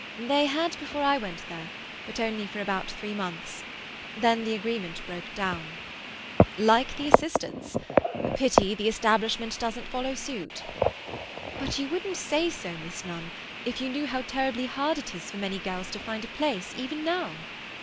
"They had before I went there; but only for about three months. Then the agreement broke down." "Like the assistants. A pity the establishment doesn't follow suit." "But you wouldn't say so, Miss Nunn, if you knew how terribly hard it is for many girls to find a place, even now."